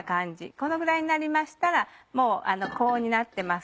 このぐらいになりましたらもう高温になってます。